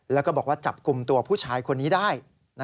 แล้วก็บอกว่าจับกลุ่มตัวผู้ชายคนนี้ได้